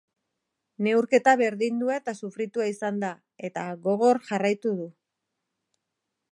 Neurketa berdindua eta sufritua izan da, eta gogor jarraitu du.